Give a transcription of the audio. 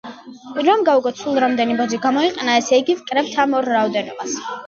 რომ გავიგოთ სულ რამდენი ბოძი გამოიყენა, ესე იგი, ვკრებთ ამ ორ რაოდენობას.